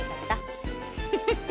フフフフ。